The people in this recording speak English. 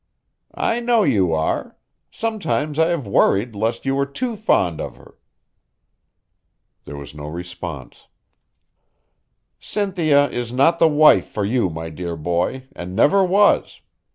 "I know you are. Sometimes I have worried lest you were too fond of her." There was no response. "Cynthia is not the wife for you, my dear boy, and never was.